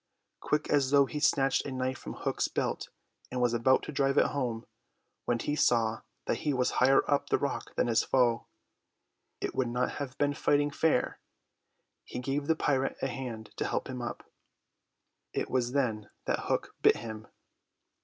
Quick as thought he snatched a knife from Hook's belt and was about to drive it home, when he saw that he was higher up the rock than his foe. It would not have been fighting fair. He gave the pirate a hand to help him up. It was then that Hook bit him.